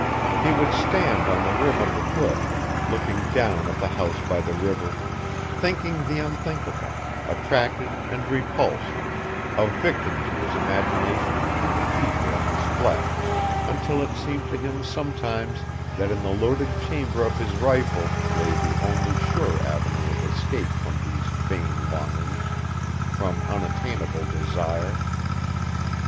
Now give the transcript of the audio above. He would stand on the rim of the cliff, looking down at the house by the river, thinking the unthinkable, attracted and repulsed, a victim to his imagination and the fever of his flesh, until it seemed to him sometimes that in the loaded chamber of his rifle lay the only sure avenue of escape from these vain longings, from unattainable desire.